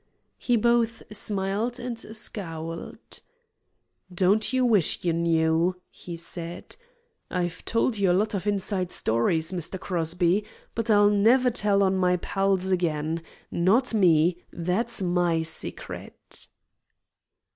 He both smiled and scowled. "Don't you wish you knew?" he said. "I've told you a lot of inside stories, Mr. Crosby, but I'll never tell on my pals again. Not me! That's MY secret."